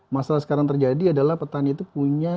masalah sekarang terjadi adalah petani itu punya